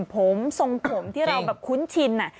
ผมทรงผมที่เราแบบคุ้นชิน